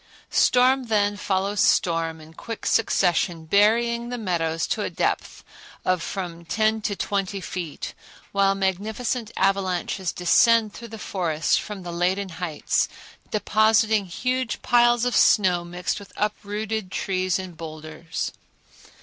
Storm then follows storm in quick succession, burying the meadows to a depth of from ten to twenty feet, while magnificent avalanches descend through the forests from the laden heights, depositing huge piles of snow mixed with uprooted trees and boulders.